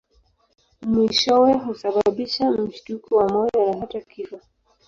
Mwishowe husababisha mshtuko wa moyo na hata kifo.